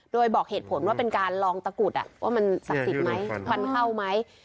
โดยบอกเหตุผลว่าเป็นการลองตะกุดว่ามันศักดิ์สิทธิ์ไหมฟันเข้าไหม